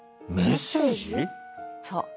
そう。